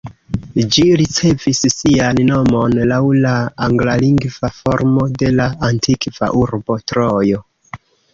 Ĝi ricevis sian nomon laŭ la anglalingva formo de la antikva urbo Trojo.